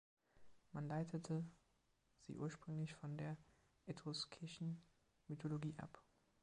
Man leitete sie ursprünglich von der etruskischen Mythologie ab.